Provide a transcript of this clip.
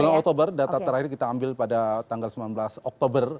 bulan oktober data terakhir kita ambil pada tanggal sembilan belas oktober